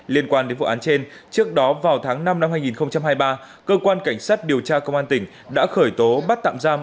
liên quan đến vụ án trên trước đó vào tháng năm năm hai nghìn hai mươi ba cơ quan cảnh sát điều tra công an tỉnh đã khởi tố bắt tạm giam